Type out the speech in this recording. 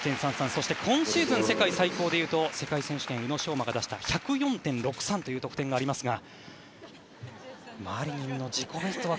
そして今シーズン世界最高でいうと世界選手権で宇野昌磨が出した１０４．６３という得点がありますが。